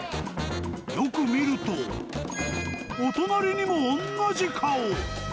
よく見ると、お隣にも同じ顔。